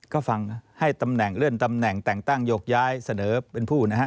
ก็ฟังให้ตำแหน่งเลื่อนตำแหน่งแต่งตั้งโยกย้ายเสนอเป็นผู้นะฮะ